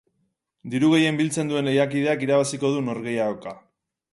Diru gehien biltzen duen lehiakideak irabaziko du norgehiagoka.